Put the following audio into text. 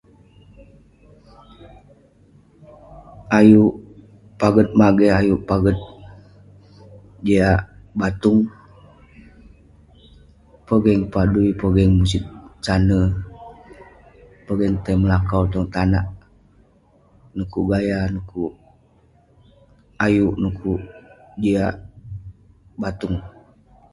Ayuk paget mageh ayuk paget jiak batung, pogeng padui pogeng musit saner, pogeng tai melakau tong tanak. Dekuk gaya, dekuk ayuk, dekuk jiak batung.